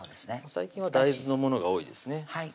最近は大豆のものが多いですね